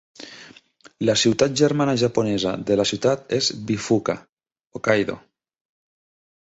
La ciutat germana japonesa de la ciutat és Bifuka, Hokkaido.